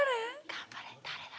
頑張れ誰だろう？